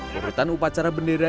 perhubungan upacara bendera